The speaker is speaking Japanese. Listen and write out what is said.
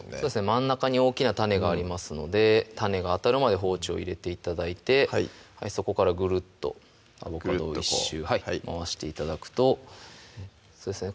真ん中に大きな種がありますので種が当たるまで包丁入れて頂いてそこからぐるっとアボカドを１周回して頂くとそうですね